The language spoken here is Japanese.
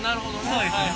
そうですね。